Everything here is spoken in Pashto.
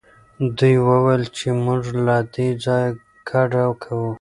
دوی وویل چې موږ له دې ځایه کډه کوو.